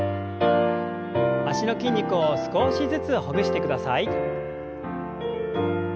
脚の筋肉を少しずつほぐしてください。